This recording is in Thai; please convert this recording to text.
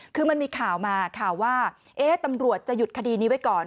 คือมันมีข่าวมาค่ะว่าตำรวจจะหยุดคดีนี้ไว้ก่อน